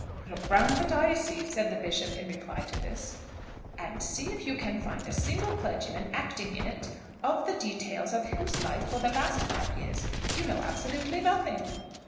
"Look round the diocese," said the Bishop in reply to this, "and see if you can find a single clergyman acting in it, of the details of whose life for the last five years you know absolutely nothing."